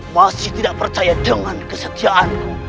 masih tidak percaya dengan kesetiaanku